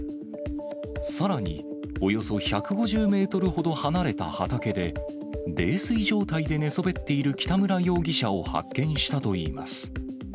さらに、およそ１５０メートルほど離れた畑で、泥酔状態で寝そべっている北村容疑者を発見したといいます。